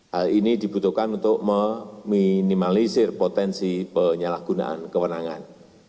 hal ini dibutuhkan untuk meminimalisir potensi penyalahgunaan kewenangan